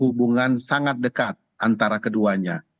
hubungan sangat dekat antara keduanya